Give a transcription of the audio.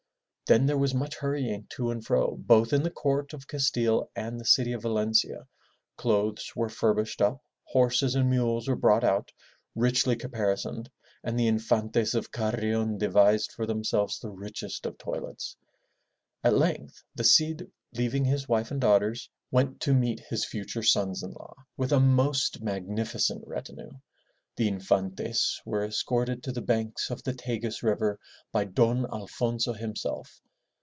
Then there was much hurrying to and fro, both in the court of Castile and the city of Valencia. Clothes were furbished up, horses and mules were brought out, richly caparisoned, and the Infantes of Carrion devised for themselves the richest of toilets. At length the Cid, leaving his wife and daughters, went to 320 FROM THE TOWER WINDOW meet his future sons in law with a most magnificent retinue. The Infantes were escorted to the banks of the Tagus River by Don Alfonso himself.